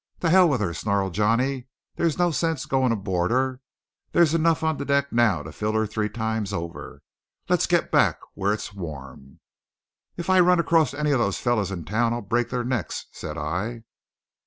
"To hell with her!" snarled Johnny, "There's no sense going aboard her. There's enough on deck now to fill her three times over. Let's get back where it's warm." "If I run across any of those fellows in town I'll break their necks!" said I.